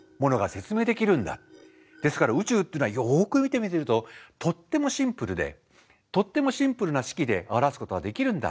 ですから宇宙っていうのはよく見てみるととってもシンプルでとってもシンプルな式で表すことができるんだ。